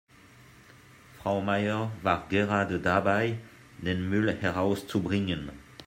Frau Meier war gerade dabei, den Müll herauszubringen.